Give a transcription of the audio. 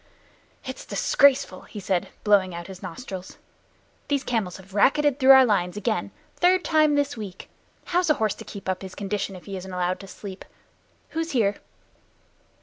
"It's disgraceful," he said, blowing out his nostrils. "Those camels have racketed through our lines again the third time this week. How's a horse to keep his condition if he isn't allowed to sleep. Who's here?"